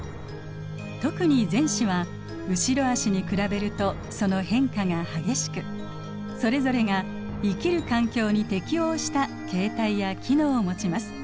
特に前肢は後ろあしに比べるとその変化が激しくそれぞれが生きる環境に適応した形態や機能をもちます。